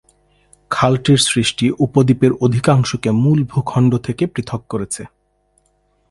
খালটির সৃষ্টি উপদ্বীপের অধিকাংশকে মূল ভূখণ্ড থেকে পৃথক করেছে।